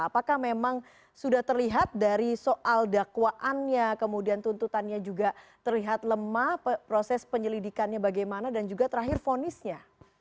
apakah memang sudah terlihat dari soal dakwaannya kemudian tuntutannya juga terlihat lemah proses penyelidikannya bagaimana dan juga terakhir vonisnya